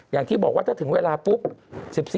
อย่างที่บอกว่าถ้าถึงเวลาปุ๊บ